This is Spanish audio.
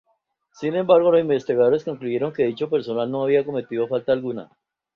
Sin embargo, las investigaciones concluyeron que dicho personal no había cometido falta alguna.